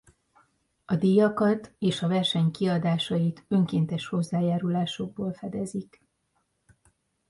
A díjakat és a verseny kiadásait önkéntes hozzájárulásokból fedezik.